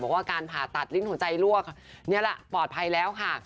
บอกว่าการผ่าตัดฤทธิ์หัวใจลวกปลอดภัยแล้วค่ะ